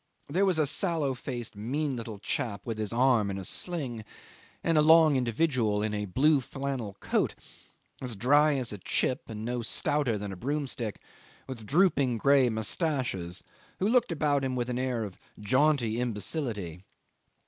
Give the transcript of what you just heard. There was a sallow faced, mean little chap with his arm in a sling, and a long individual in a blue flannel coat, as dry as a chip and no stouter than a broomstick, with drooping grey moustaches, who looked about him with an air of jaunty imbecility.